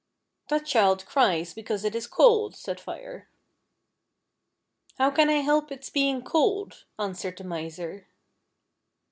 " That child cries because it is cold," said Fire, "How can I help its being cold?" answered the Miser.